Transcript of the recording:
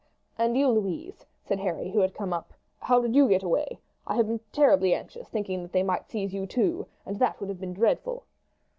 "And you, Louise," said Harry, who had now come up, "how did you get away? I have been terribly anxious, thinking that they might seize you too, and that would have been dreadful."